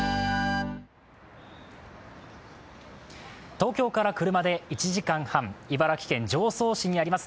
東京から車で１時間半、茨城県常総市にあります